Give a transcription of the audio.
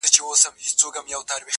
د اوبو خروار دئ په گوتو ښورېږي.